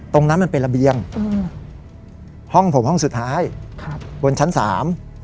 ตรงนั้นมันเป็นระเบียงห้องผมห้องสุดท้ายบนชั้นสาม